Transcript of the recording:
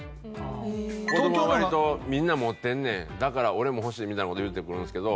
子どもは割と「みんな持ってんねん。だから俺も欲しい」。みたいな事言ってくるんですけど。